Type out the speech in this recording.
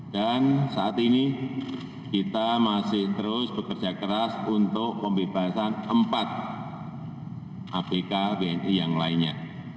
dan saat ini kita masih terus bekerja keras untuk pembebasan empat apk bni yang lainnya